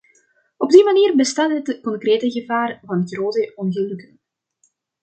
Op die manier bestaat het concrete gevaar van grote ongelukken.